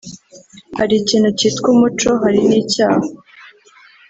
Hari ikintu kitwa umuco hari n’icyaha